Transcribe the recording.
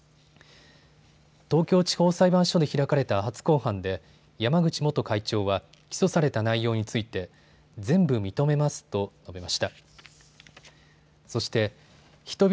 東京地方裁判所で開かれた初公判で山口元会長は起訴された内容について全部認めますと述べました。